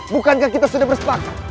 bukankah kita sudah bersepakat